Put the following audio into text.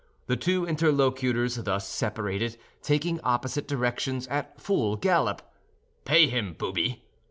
The two interlocutors thus separated, taking opposite directions, at full gallop. "Pay him, booby!"